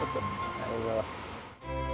ありがとうございます。